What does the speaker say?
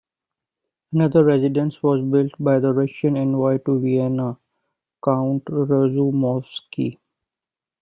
Another residence was built by the Russian envoy to Vienna, Count Razumovsky.